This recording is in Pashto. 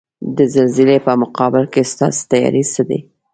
د زلزلې په مقابل کې ستاسو تیاری څه دی؟